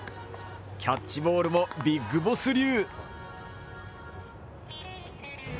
キャッチボールもビッグボス流。